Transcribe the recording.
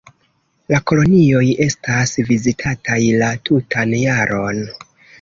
La kolonioj estas vizitataj la tutan jaron.